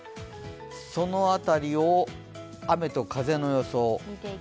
その辺りを雨と風の予想。